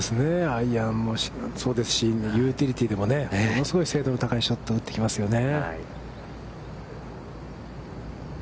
アイアンもそうですし、ユーティリティーでもね、物すごい精度の高いショットを打ってきますよね。